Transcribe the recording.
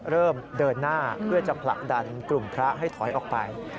เริ่มเดินหน้าเพื่อจะผลักดันกลุ่มพระให้ถอยออกไป